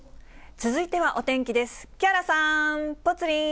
続いてはお天気です。